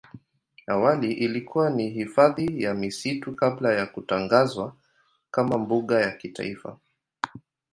Awali ilikuwa ni hifadhi ya misitu kabla ya kutangazwa kama mbuga ya kitaifa.